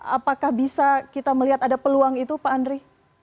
apakah bisa kita melihat ada peluang itu pak andri